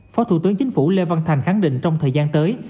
phó thủ tướng chính phủ lê văn thành khẳng định trong thời gian tới